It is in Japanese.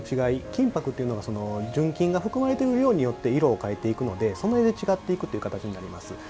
金ぱくっていうのは純金が含まれている量によって色を変えていくのでそれで違っていくという形になります。